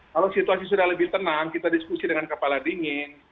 kalau situasi sudah lebih tenang kita diskusi dengan kepala dingin